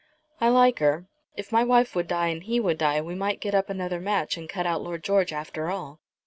I like her. If my wife would die and he would die, we might get up another match and cut out Lord George after all."